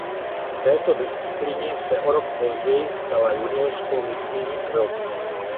V této disciplíně se o rok později stala juniorskou mistryní Evropy.